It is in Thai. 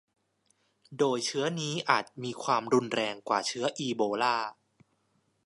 โดยเชื้อนี้อาจมีความรุนแรงกว่าเชื้ออีโบลา